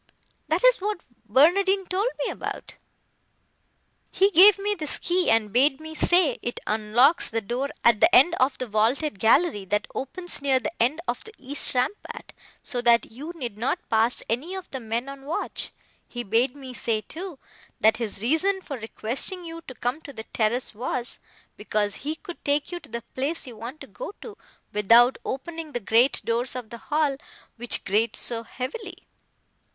"That is what Barnardine told me about. He gave me this key, and bade me say it unlocks the door at the end of the vaulted gallery, that opens near the end of the east rampart, so that you need not pass any of the men on watch. He bade me say, too, that his reason for requesting you to come to the terrace was, because he could take you to the place you want to go to, without opening the great doors of the hall, which grate so heavily."